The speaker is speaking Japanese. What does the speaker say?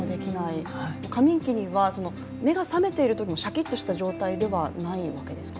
過眠期には目が覚めているときでもシャキッとした状態ではないわけですか？